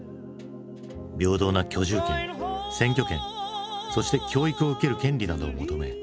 平等な居住権選挙権そして教育を受ける権利などを求め